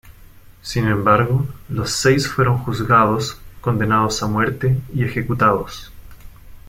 Sin embargo, los seis fueron juzgados, condenados a muerte y ejecutados.